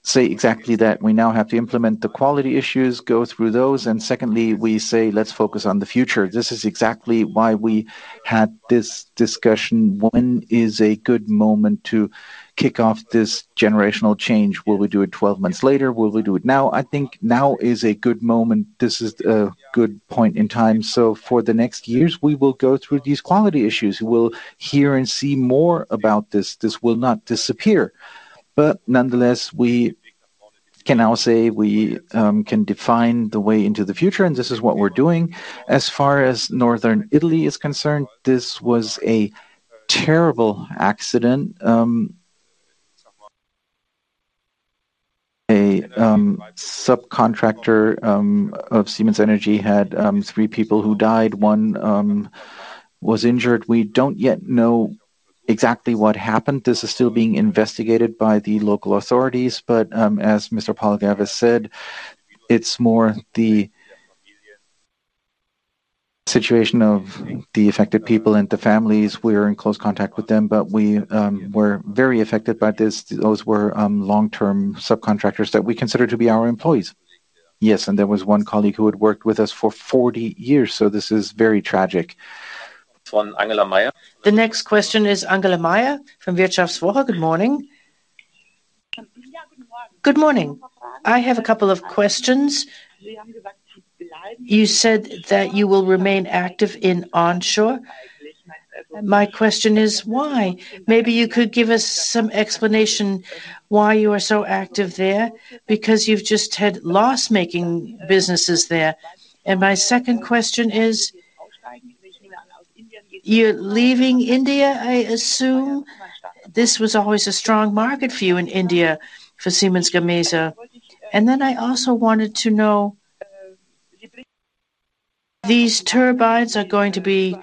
say exactly that. We now have to implement the quality issues, go through those, and secondly, we say, "Let's focus on the future." This is exactly why we had this discussion. When is a good moment to kick off this generational change? Will we do it 12 months later? Will we do it now? I think now is a good moment. This is a good point in time. So for the next years, we will go through these quality issues. We'll hear and see more about this. This will not disappear. But nonetheless, we can now say we can define the way into the future, and this is what we're doing. As far as Northern Italy is concerned, this was a terrible accident. A subcontractor of Siemens Energy had three people who died. One was injured. We don't yet know exactly what happened. This is still being investigated by the local authorities, but as Mr. Frühauf said, it's more the situation of the affected people and the families. We're in close contact with them, but we were very affected by this. Those were long-term subcontractors that we consider to be our employees. Yes, and there was one colleague who had worked with us for 40 years, so this is very tragic. From Angela Maier. The next question is Angela Maier from Wirtschaftswoche. Good morning. I have a couple of questions. You said that you will remain active in onshore. My question is why? Maybe you could give us some explanation why you are so active there, because you've just had loss-making businesses there. And my second question is, you're leaving India, I assume? This was always a strong market for you in India, for Siemens Gamesa. And then I also wanted to know, these turbines are going to be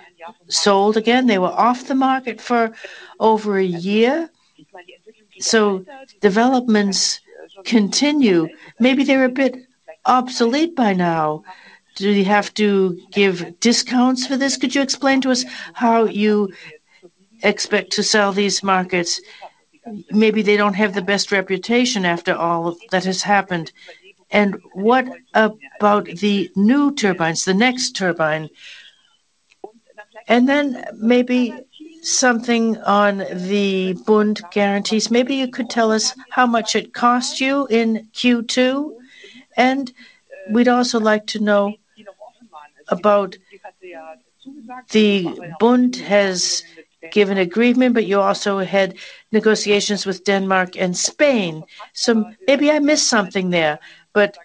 sold again. They were off the market for over a year, so developments continue. Maybe they're a bit obsolete by now. Do you have to give discounts for this? Could you explain to us how you expect to sell these markets? Maybe they don't have the best reputation after all that has happened. And what about the new turbines, the next turbine? Then maybe something on the Bund guarantees. Maybe you could tell us how much it cost you in Q2, and we'd also like to know about the Bund has given agreement, but you also had negotiations with Denmark and Spain. So maybe I missed something there, but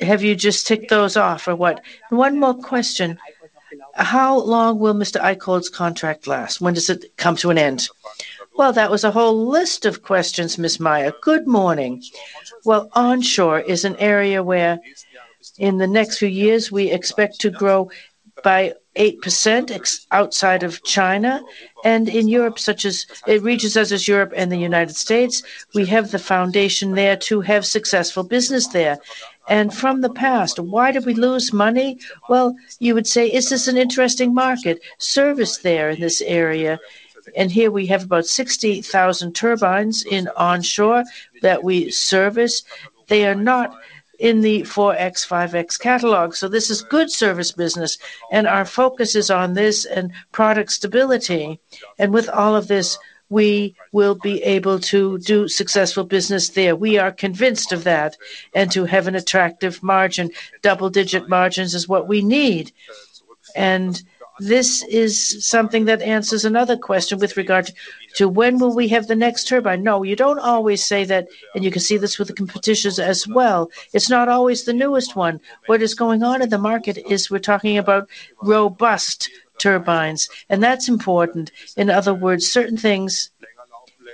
have you just ticked those off or what? One more question. How long will Mr. Eickholt's contract last? When does it come to an end? Well, that was a whole list of questions, Ms. Meyer. Good morning. Well, onshore is an area where in the next few years, we expect to grow by 8% ex- outside of China and in Europe, such as regions such as Europe and the United States. We have the foundation there to have successful business there. And from the past, why did we lose money? Well, you would say, is this an interesting market? Service there in this area, and here we have about 60,000 turbines in onshore that we service. They are not in the 4.X, 5.X catalog. So this is good service business, and our focus is on this and product stability. With all of this, we will be able to do successful business there. We are convinced of that, and to have an attractive margin. Double-digit margins is what we need. This is something that answers another question with regard to when will we have the next turbine? No, you don't always say that, and you can see this with the competitors as well. It's not always the newest one. What is going on in the market is we're talking about robust turbines, and that's important. In other words, certain things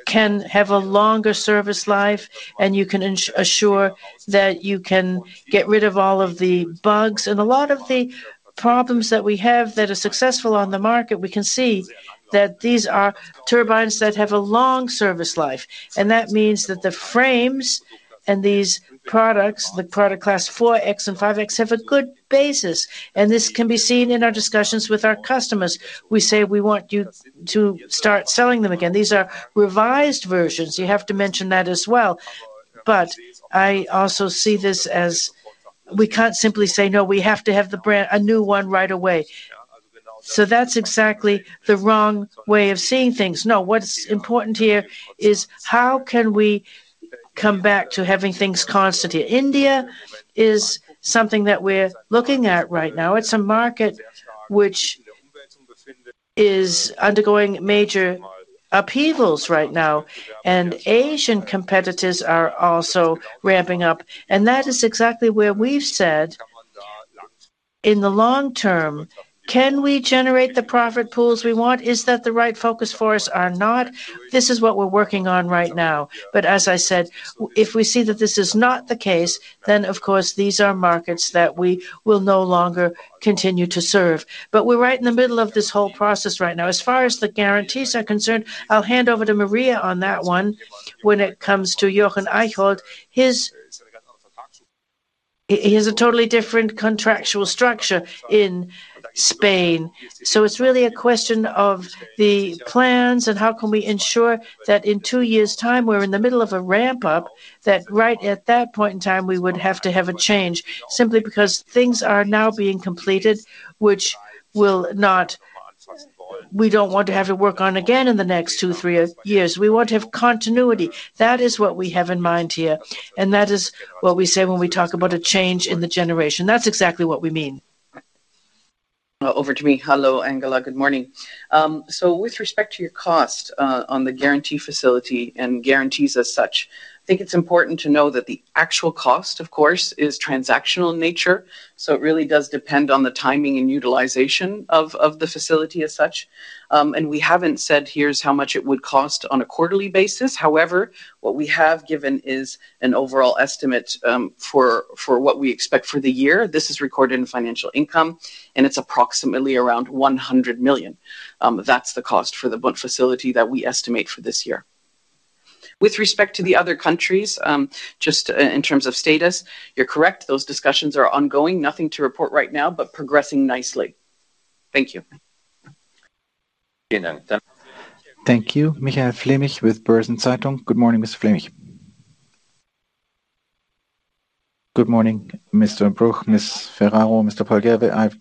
can have a longer service life, and you can ensure that you can get rid of all of the bugs. And a lot of the problems that we have that are successful on the market, we can see that these are turbines that have a long service life. And that means that the frames and these products, the product class 4.X and 5.X, have a good basis, and this can be seen in our discussions with our customers. We say we want you to start selling them again. These are revised versions. You have to mention that as well. But I also see this as we can't simply say, "No, we have to have the brand, a new one right away." So that's exactly the wrong way of seeing things. No, what's important here is how can we come back to having things constant here? India is something that we're looking at right now. It's a market which is undergoing major upheavals right now, and Asian competitors are also ramping up. And that is exactly where we've said, in the long term, can we generate the profit pools we want? Is that the right focus for us or not? This is what we're working on right now. But as I said, if we see that this is not the case, then of course, these are markets that we will no longer continue to serve. But we're right in the middle of this whole process right now. As far as the guarantees are concerned, I'll hand over to Maria on that one. When it comes to Jochen Eickholt, he has a totally different contractual structure in Spain. So it's really a question of the plans and how can we ensure that in two years' time, we're in the middle of a ramp-up, that right at that point in time, we would have to have a change, simply because things are now being completed, we don't want to have to work on again in the next two, three years. We want to have continuity. That is what we have in mind here, and that is what we say when we talk about a change in the generation. That's exactly what we mean. ...Over to me. Hello, Angela, good morning. So with respect to your cost, on the guarantee facility and guarantees as such, I think it's important to know that the actual cost, of course, is transactional in nature, so it really does depend on the timing and utilization of the facility as such. And we haven't said, "Here's how much it would cost on a quarterly basis." However, what we have given is an overall estimate, for what we expect for the year. This is recorded in financial income, and it's approximately around 100 million. That's the cost for the bond facility that we estimate for this year. With respect to the other countries, just in terms of status, you're correct. Those discussions are ongoing. Nothing to report right now, but progressing nicely. Thank you. Thank you. Michael Fleming with Börsen-Zeitung. Good morning, Mr. Fleming. Good morning, Mr. Bruch, Ms. Ferraro, Mr. Proll-Gerwe. I've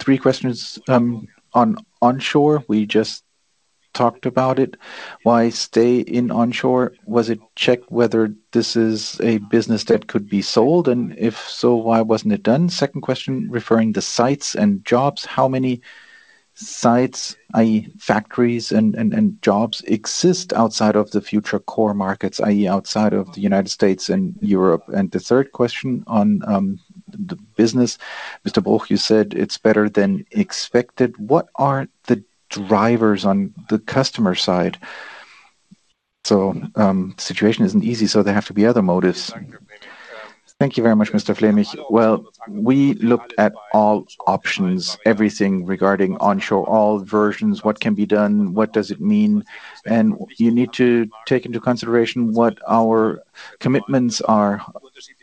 three questions. On onshore, we just talked about it. Why stay in onshore? Was it checked whether this is a business that could be sold, and if so, why wasn't it done? Second question, referring to sites and jobs: how many sites, i.e., factories and jobs, exist outside of the future core markets, i.e., outside of the United States and Europe? And the third question on the business. Mr. Bruch, you said it's better than expected. What are the drivers on the customer side? So, the situation isn't easy, so there have to be other motives. Thank you very much, Mr. Fleming. Well, we looked at all options, everything regarding onshore, all versions, what can be done, what does it mean? You need to take into consideration what our commitments are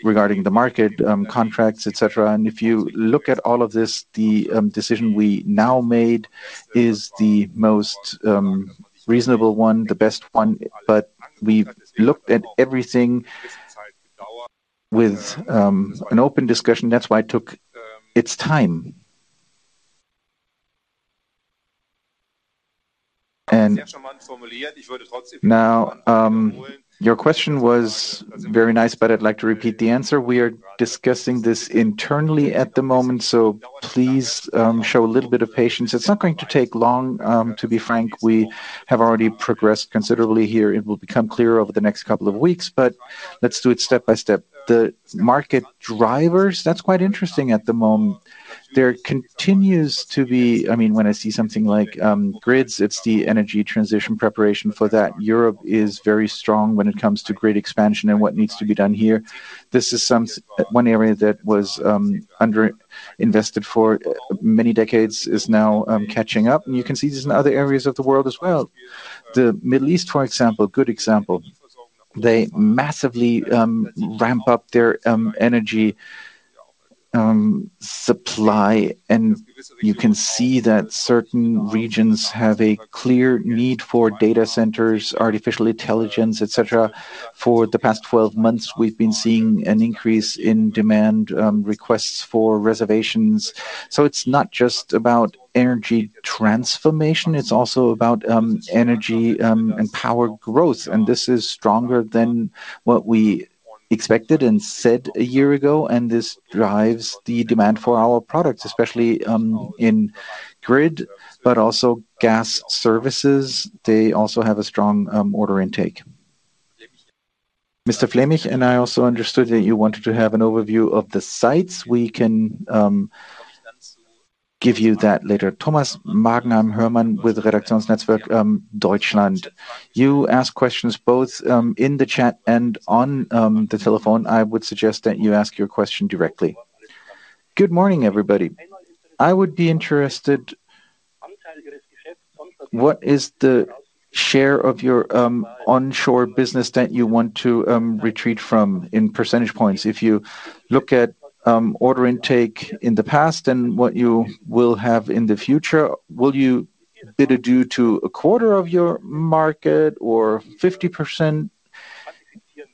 regarding the market, contracts, et cetera. If you look at all of this, the decision we now made is the most reasonable one, the best one. But we've looked at everything with an open discussion. That's why it took its time. Now, your question was very nice, but I'd like to repeat the answer. We are discussing this internally at the moment, so please, show a little bit of patience. It's not going to take long, to be frank, we have already progressed considerably here. It will become clearer over the next couple of weeks, but let's do it step by step. The market drivers, that's quite interesting at the moment. There continues to be... I mean, when I see something like, grids, it's the energy transition, preparation for that. Europe is very strong when it comes to grid expansion and what needs to be done here. This is one area that was underinvested for many decades, is now catching up, and you can see this in other areas of the world as well. The Middle East, for example, good example. They massively ramp up their energy supply, and you can see that certain regions have a clear need for data centers, artificial intelligence, et cetera. For the past 12 months, we've been seeing an increase in demand requests for reservations. So it's not just about energy transformation, it's also about energy and power growth, and this is stronger than what we expected and said a year ago, and this drives the demand for our products, especially in grid, but also gas services. They also have a strong order intake. Mr. Fleming, and I also understood that you wanted to have an overview of the sites. We can give you that later. Thomas Magenheim with Redaktionsnetzwerk Deutschland. You asked questions both in the chat and on the telephone. I would suggest that you ask your question directly. Good morning, everybody. I would be interested what is the share of your onshore business that you want to retreat from in percentage points? If you look at order intake in the past and what you will have in the future, will you... Did it do to a quarter of your market or 50%?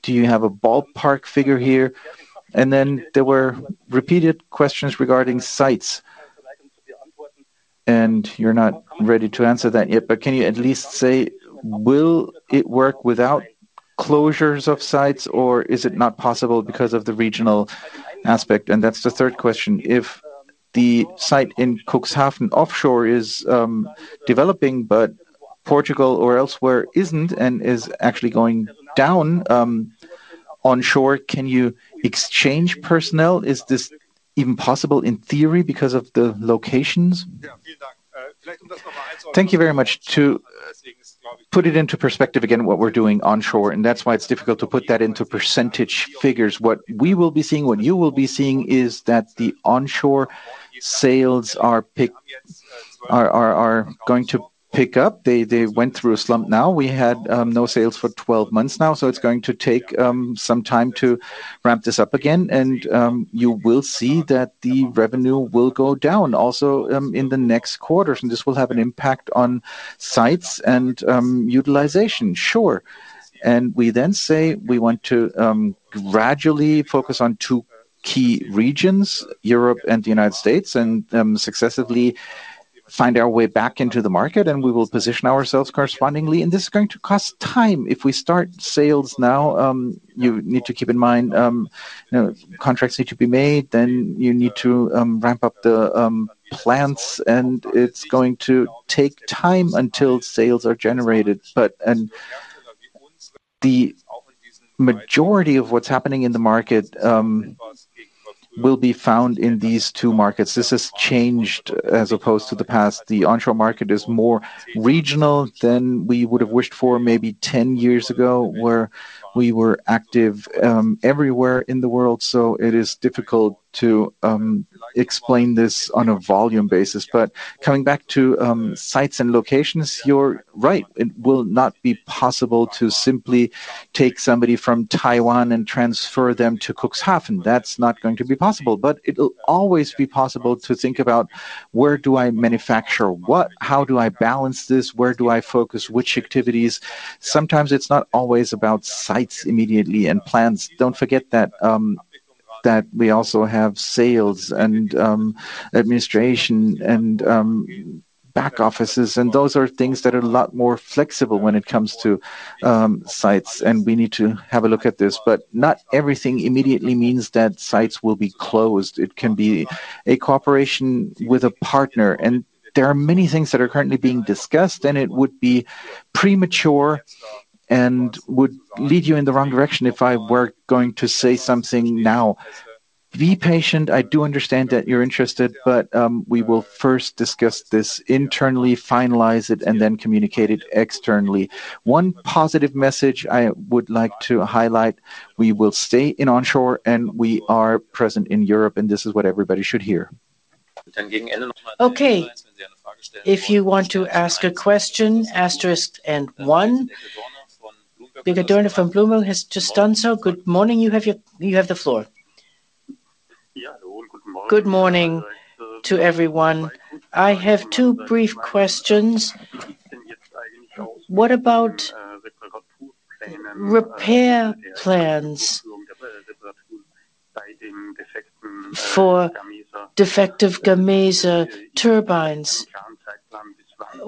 Do you have a ballpark figure here? And then there were repeated questions regarding sites, and you're not ready to answer that yet, but can you at least say, will it work without closures of sites, or is it not possible because of the regional aspect? And that's the third question: If the site in Cuxhaven offshore is developing, but Portugal or elsewhere isn't and is actually going down onshore, can you exchange personnel? Is this even possible in theory because of the locations? Thank you very much. To put it into perspective again, what we're doing onshore, and that's why it's difficult to put that into percentage figures. What we will be seeing, what you will be seeing, is that the onshore sales are going to pick up. They went through a slump now. We had no sales for 12 months now, so it's going to take some time to ramp this up again and you will see that the revenue will go down also in the next quarters, and this will have an impact on sites and utilization. Sure. And we then say we want to gradually focus on two key regions, Europe and the United States, and successively find our way back into the market, and we will position ourselves correspondingly, and this is going to cost time. If we start sales now, you need to keep in mind, you know, contracts need to be made, then you need to ramp up the plants, and it's going to take time until sales are generated. But and the majority of what's happening in the market will be found in these two markets. This has changed as opposed to the past. The onshore market is more regional than we would have wished for maybe ten years ago, where we were active everywhere in the world. So it is difficult to explain this on a volume basis. But coming back to sites and locations, you're right. It will not be possible to simply take somebody from Taiwan and transfer them to Cuxhaven. That's not going to be possible, but it'll always be possible to think about: Where do I manufacture? How do I balance this? Where do I focus which activities? Sometimes it's not always about sites immediately and plans. Don't forget that, that we also have sales and, administration and, back offices, and those are things that are a lot more flexible when it comes to, sites, and we need to have a look at this. But not everything immediately means that sites will be closed. It can be a cooperation with a partner, and there are many things that are currently being discussed, and it would be premature and would lead you in the wrong direction if I were going to say something now. Be patient, I do understand that you're interested, but, we will first discuss this internally, finalize it, and then communicate it externally. One positive message I would like to highlight, we will stay in onshore, and we are present in Europe, and this is what everybody should hear. Okay. If you want to ask a question, asterisk and one. Eckl-Dorna from Bloomberg has just done so. Good morning. You have the floor. Yeah. Good morning. Good morning to everyone. I have two brief questions. What about repair plans for defective Gamesa turbines?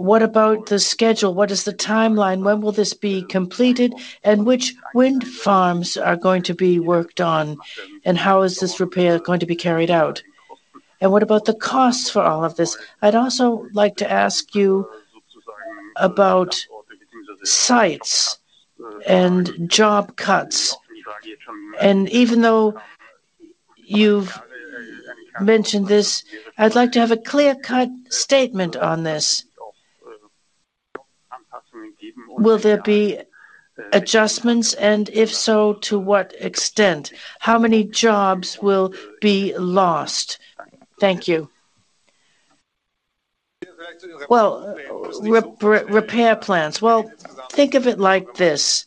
What about the schedule? What is the timeline? When will this be completed? And which wind farms are going to be worked on, and how is this repair going to be carried out? And what about the costs for all of this? I'd also like to ask you about sites and job cuts. And even though you've mentioned this, I'd like to have a clear-cut statement on this. Will there be adjustments, and if so, to what extent? How many jobs will be lost? Thank you. Well, repair plans. Well, think of it like this: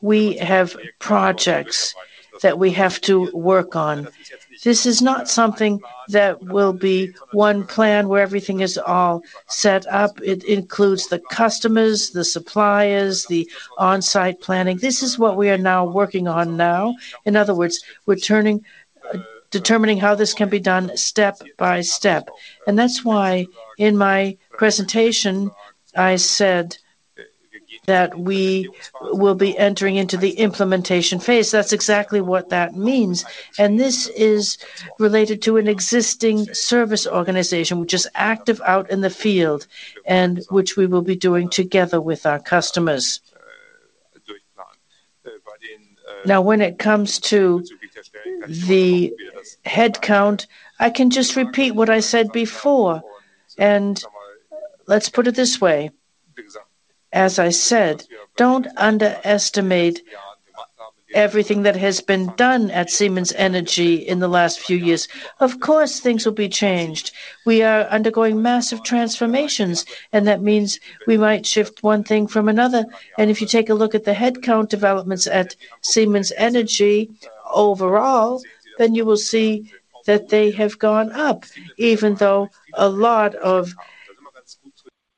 We have projects that we have to work on. This is not something that will be one plan where everything is all set up. It includes the customers, the suppliers, the on-site planning. This is what we are now working on now. In other words, we're determining how this can be done step by step. And that's why, in my presentation, I said that we will be entering into the implementation phase. That's exactly what that means. And this is related to an existing service organization which is active out in the field and which we will be doing together with our customers. Now, when it comes to the headcount, I can just repeat what I said before, and let's put it this way. As I said, don't underestimate everything that has been done at Siemens Energy in the last few years. Of course, things will be changed. We are undergoing massive transformations, and that means we might shift one thing from another. And if you take a look at the headcount developments at Siemens Energy overall, then you will see that they have gone up, even though a lot of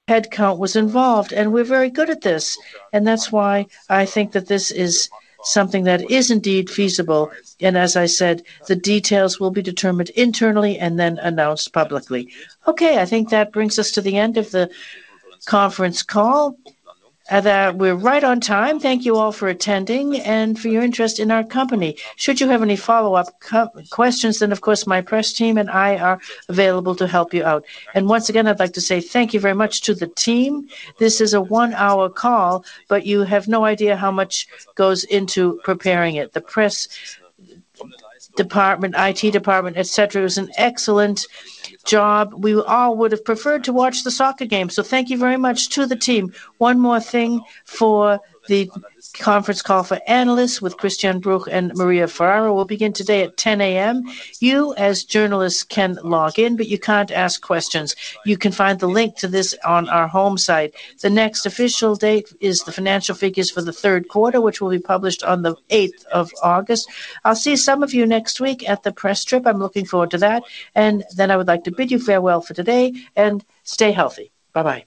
headcount was involved, and we're very good at this. And that's why I think that this is something that is indeed feasible. And as I said, the details will be determined internally and then announced publicly. Okay, I think that brings us to the end of the conference call. That we're right on time. Thank you all for attending and for your interest in our company. Should you have any follow-up questions, then, of course, my press team and I are available to help you out. And once again, I'd like to say thank you very much to the team. This is a one-hour call, but you have no idea how much goes into preparing it. The press department, IT department, et cetera, is an excellent job. We all would have preferred to watch the soccer game, so thank you very much to the team. One more thing for the conference call for analysts with Christian Bruch and Maria Ferraro will begin today at 10:00 A.M. You, as journalists, can log in, but you can't ask questions. You can find the link to this on our home site. The next official date is the financial figures for the third quarter, which will be published on the eighth of August. I'll see some of you next week at the press trip. I'm looking forward to that. And then I would like to bid you farewell for today, and stay healthy. Bye-bye.